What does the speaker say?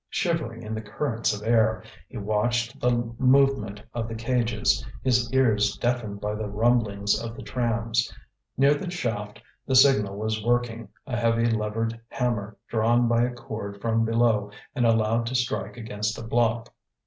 Shivering in the currents of air, he watched the movement of the cages, his ears deafened by the rumblings of the trams. Near the shaft the signal was working, a heavy levered hammer drawn by a cord from below and allowed to strike against a block.